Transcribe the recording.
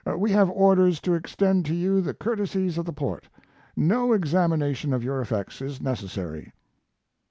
We have orders to extend to you the courtesies of the port. No examination of your effects is necessary."